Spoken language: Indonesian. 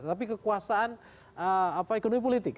tapi kekuasaan ekonomi politik